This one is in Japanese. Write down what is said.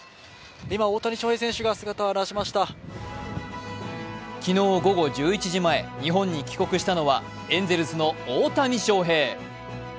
今、大谷翔平選手が姿を現しました昨日午後１１時前、日本に帰国したのはエンゼルスの大谷翔平。